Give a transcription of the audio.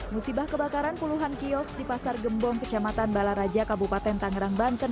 musibah kebakaran puluhan kios di pasar gembong kecamatan balaraja kabupaten tangerang banten